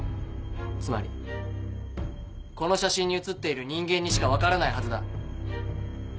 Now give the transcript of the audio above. つまりこの写真に写っている人間にしか分からないはずだ。